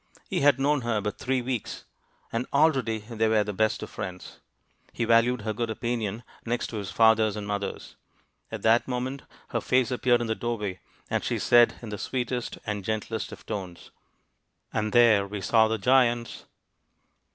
He had known her but three weeks, and already they were the best of friends; he valued her good opinion next to his father's and mother's. At that moment her face appeared in the doorway, and she said in the sweetest and gentlest of tones: "And there we saw the giants."